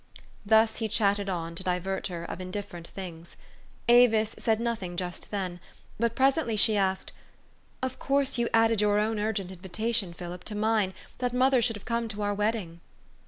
Thus he chat ted on, to divert her, of indifferent things. Avis said nothing just then ; but presently she asked, " Of course you added your own urgent invitation, Philip, to mine, that mother should have come to our wedding?